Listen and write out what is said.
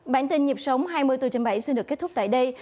bản tin nhịp sống hai mươi bốn trên bảy xin được kết thúc tại đây